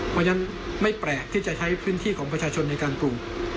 เพราะฉะนั้นไม่แปลกที่จะใช้พื้นที่ของประชาชนในการปรุง